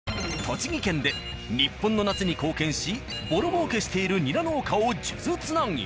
栃木県で日本の夏に貢献しボロ儲けしているニラ農家を数珠つなぎ。